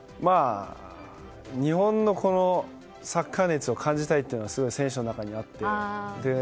日本のサッカー熱を感じたいってのがすごく選手の中にあって。